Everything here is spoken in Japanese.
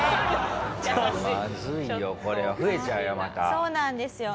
そうなんですよ。